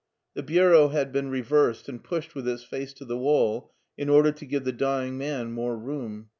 The bureau had been reversed and pushed with its face to the wall in order to give the dying man more room.